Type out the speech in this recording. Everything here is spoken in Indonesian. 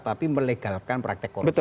tapi melegalkan praktek korupsi